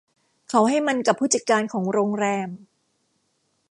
เขาให้มันกับผู้จัดการของโรงแรม